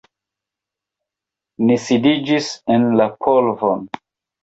Ni sidiĝis en la polvon.